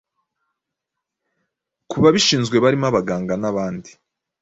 ku babishinzwe barimo abaganga n’abandi